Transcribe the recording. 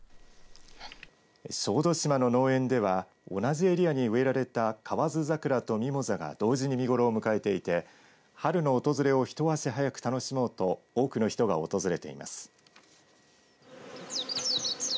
小豆島の農園では同じエリアに植えられた河津桜とミモザが同時に見頃を迎えていて春の訪れを一足早く楽しもうと多くの人が訪れています。